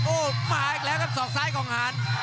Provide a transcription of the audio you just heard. โอ้โหมาอีกแล้วครับศอกซ้ายของหาร